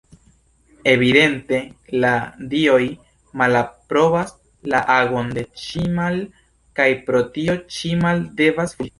Evidente, la dioj malaprobas la agon de Ĉimal, kaj pro tio Ĉimal devas fuĝi.